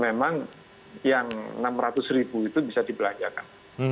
memang yang rp enam ratus itu bisa dibelanjakan